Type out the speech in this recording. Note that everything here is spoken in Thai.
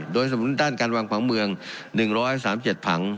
โดยสนุนด้านการวางผังเมือง๑๓๗ผัง